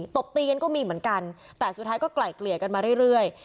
ตบตีกันก็มีเหมือนกันแต่สุดท้ายก็ไกล่เกลี่ยกันมาเรื่อย